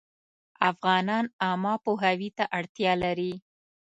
افغانان عامه پوهاوي ته اړتیا لري